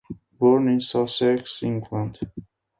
Born in Sussex, England.